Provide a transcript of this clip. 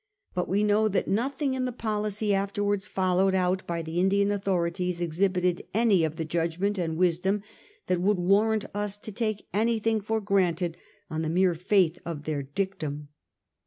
But we know that nothing in the policy afterwards followed out by the Indian authorities exhibited any of the judgment and wisdom that would warrant us in taking anything for granted on the mere faith of their dictum.